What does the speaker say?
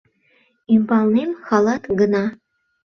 Ӱмбалнем халат гына.